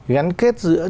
gắn kết giữa